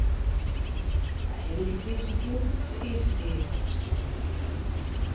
Nije wike tiisdeitejûn is de earste gearkomste.